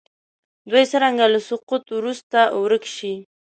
دوی څرنګه له سقوط وروسته ورک شي.